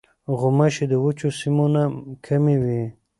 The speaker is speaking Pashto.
غوماشې د وچو سیمو نه کمې وي.